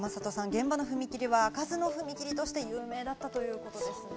現場の踏切は開かずの踏切として有名だったということですね。